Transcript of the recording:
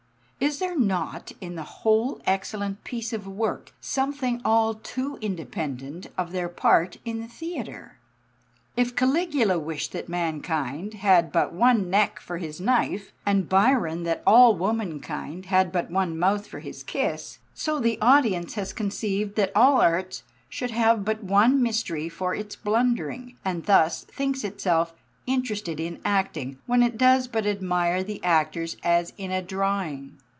Is there not in the whole excellent piece of work, something all too independent of their part in the theatre? If Caligula wished that mankind had but one neck for his knife, and Byron that all womankind had but one mouth for his kiss, so the audience has conceived that all arts should have but one mystery for its blundering, and thus thinks itself interested in acting when it does but admire the actor as in a drawing.